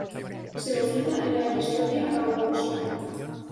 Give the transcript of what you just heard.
Se lo cita en la Historia Augusta.